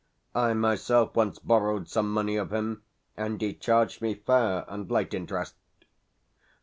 I myself once borrowed some money of him, and he charged me fair and light interest."